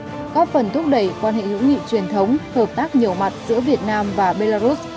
góp phần thúc đẩy quan hệ hữu nghị truyền thống hợp tác nhiều mặt giữa việt nam và belarus